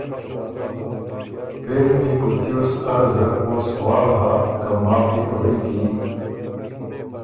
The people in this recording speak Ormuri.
پېری ميې کُوتیوس اره زر او سوال هۀ که ماخ يې کُورئ کی